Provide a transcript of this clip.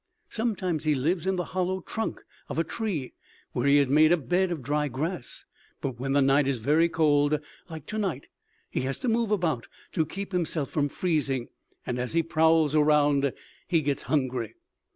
Sometimes he lives in the hollow trunk of a tree, where he has made a bed of dry grass; but when the night is very cold, like to night, he has to move about to keep himself from freezing, and as he prowls around, he gets hungry."